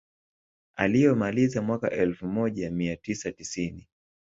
Aliyomaliza mwaka elfu moja mia tisa tisini